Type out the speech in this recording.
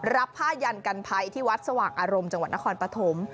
รับผ้ายันกันภัยที่วัดสว่างอารมณ์จังหวัดนครปฐม